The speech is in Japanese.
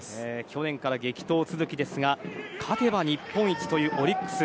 去年から激闘続きですが勝てば日本一というオリックス。